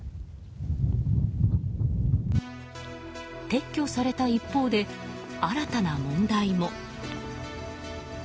撤去された一方で新たな問題も。